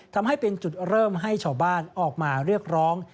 ทำให้เป็นจุดเริ่มให้ชาวบ้านออกมาเรียกร้อง